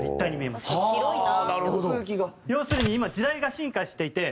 要するに今時代が進化していて。